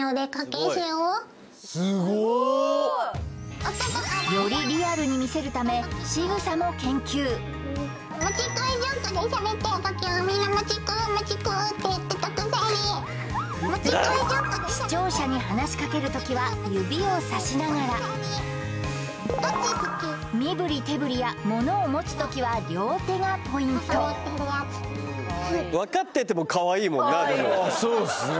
すごい！よりリアルに見せるためしぐさも研究もちころじょんこでしゃべってるときはみんなもちころもちころって言ってたくせに視聴者に話しかけるときは指をさしながら身ぶり手ぶりや物を持つときは両手がポイントかわいいそうっすね